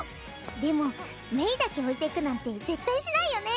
でも芽衣だけ置いていくなんて絶対しないよね？